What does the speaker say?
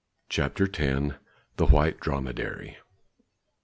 CHAPTER X. THE WHITE DROMEDARY.